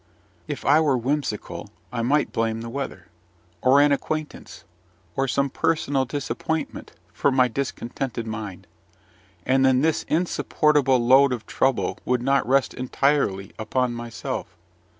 If I were whimsical, I might blame the weather, or an acquaintance, or some personal disappointment, for my discontented mind; and then this insupportable load of trouble would not rest entirely upon myself.